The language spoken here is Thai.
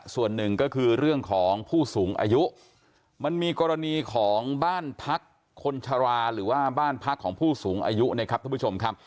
ส่วนหนึ่งก็คือเรื่องของผู้สูงอายุมันมีกรณีของบ้านพักคนชราหรือว่าบ้านพักของผู้สูงอายุนะครับท่านผู้ชมครับ